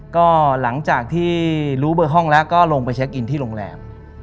ก็หลังจากที่รู้เบอร์ห้องแล้วก็ลงไปเช็คอินที่โรงแรม